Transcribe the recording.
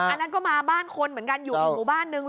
อันนั้นก็มาบ้านคนเหมือนกันอยู่อีกหมู่บ้านนึง